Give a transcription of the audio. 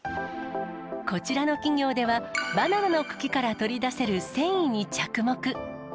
こちらの企業では、バナナの茎から取り出せる繊維に着目。